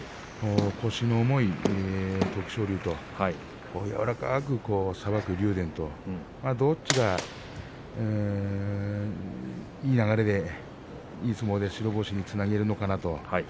腰の重い徳勝龍とやわらかくさばく竜電とどちらが、いい流れでいい相撲で白星につながるのかなと。